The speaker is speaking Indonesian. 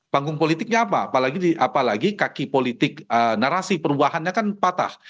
panggung politiknya apa apalagi kaki politik narasi perubahannya kan patah